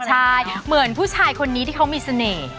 ใช่เหมือนผู้ชายคนนี้ที่เขามีเสน่ห์